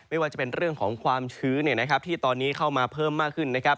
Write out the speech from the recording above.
ไม่ว่าจะเป็นเรื่องของความชื้นที่ตอนนี้เข้ามาเพิ่มมากขึ้นนะครับ